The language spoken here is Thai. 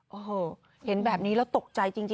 โอ้โหเห็นแบบนี้แล้วตกใจจริง